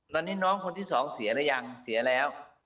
ตอนนี้น้องคนที่สองเสียหรือยังเสียแล้ว